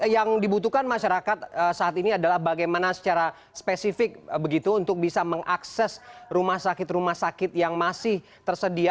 yang dibutuhkan masyarakat saat ini adalah bagaimana secara spesifik begitu untuk bisa mengakses rumah sakit rumah sakit yang masih tersedia